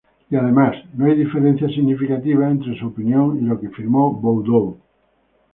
Y, además, no hay diferencias significativas entre su opinión y lo que firmó Boudou".